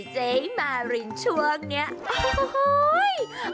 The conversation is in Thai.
เจ๊มารินช่วงเนี่ย